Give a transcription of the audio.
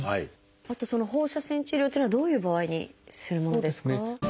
あとその放射線治療っていうのはどういう場合にするものですか？